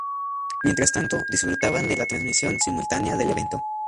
Mientras tanto, disfrutaban de la transmisión simultánea del evento.